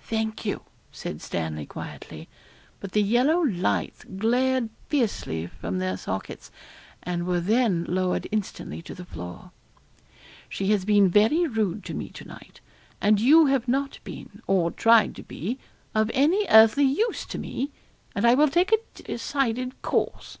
'Thank you,' said Stanley quietly, but the yellow lights glared fiercely from their sockets, and were then lowered instantly to the floor. 'She has been very rude to me to night; and you have not been, or tried to be, of any earthly use to me; and I will take a decided course.